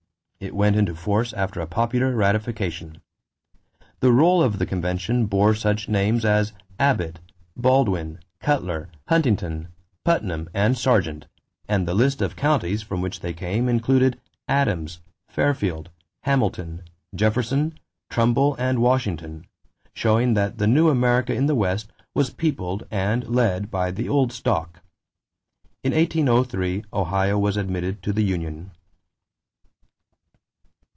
It went into force after a popular ratification. The roll of the convention bore such names as Abbot, Baldwin, Cutler, Huntington, Putnam, and Sargent, and the list of counties from which they came included Adams, Fairfield, Hamilton, Jefferson, Trumbull, and Washington, showing that the new America in the West was peopled and led by the old stock. In 1803 Ohio was admitted to the union.